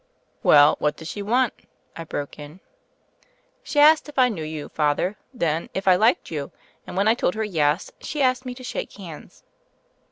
"Well, what did she want?" I broke in. "She asked me if I knew you, Father, then if I liked you, and when I told her yes, she asked me to shake hands.